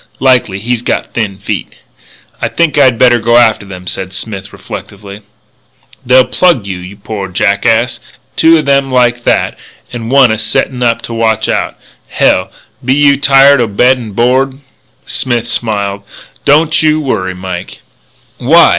"Likely. He's got thin feet." "I think I'd better go after them," said Smith, reflectively. "They'll plug you, you poor jackass two o' them like that, and one a settin' up to watch out. Hell! Be you tired o' bed an' board?" Smith smiled: "Don't you worry, Mike." "Why?